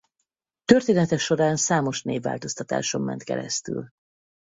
Története során számos névváltoztatáson ment keresztül.